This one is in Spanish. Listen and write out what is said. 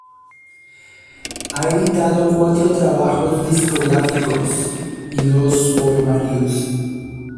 Ha editado cuatro trabajos discográficos y dos poemarios.